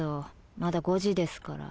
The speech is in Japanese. まだ５時ですから。